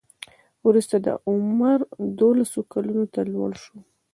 وروسته دا عمر دولسو کلونو ته لوړ شو.